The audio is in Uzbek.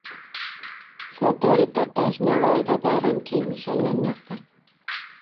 Fotoreportaj: Navoiyda bayram keng ishonlanmoqda